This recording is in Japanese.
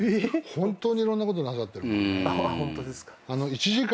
本当にいろんなことなさってる。